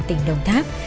tỉnh đồng tháp